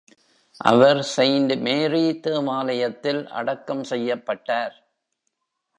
அவர் Saint Mary தேவாலயத்தில் அடக்கம் செய்யப்பட்டார்.